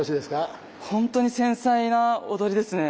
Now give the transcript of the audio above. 本当に繊細な踊りですね。